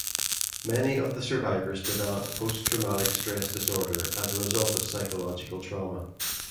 Many of the survivors developed posttraumatic stress disorder as a result of psychological trauma.